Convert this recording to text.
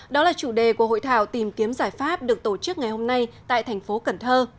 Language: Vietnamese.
đó là chủ đề của hội thảo tìm kiếm giải pháp được tổ chức ngày hôm nay tại thành phố cần thơ